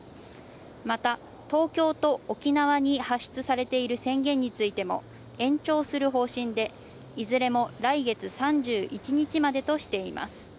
また東京と沖縄に発出されている宣言についても延長する方針で、いずれも来月３１日までとしています。